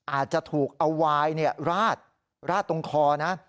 อาจจะถูกเอาวายราดตรงคอนะ